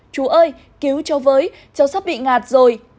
chú ơi cứu cháu với cháu sắp bị ngạt rồi